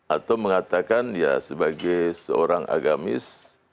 atau mengatakan ya sebagai seorang agamis